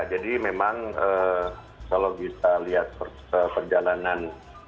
jadi memang kalau bisa lihat perjalanan